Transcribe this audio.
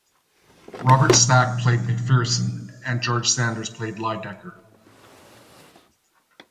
Robert Stack played McPherson and George Sanders played Lydecker.